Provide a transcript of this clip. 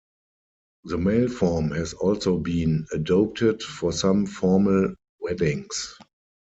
The male form has also been adopted for some formal weddings.